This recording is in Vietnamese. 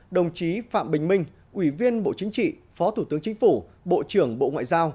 đồng chí phạm bình minh ủy viên bộ chính trị phó thủ tướng chính phủ bộ trưởng bộ ngoại giao